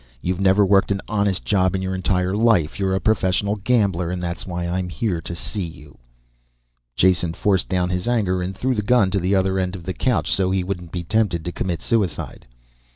"You've never worked at an honest job in your entire life. You're a professional gambler and that's why I'm here to see you." Jason forced down his anger and threw the gun to the other end of the couch so he wouldn't be tempted to commit suicide.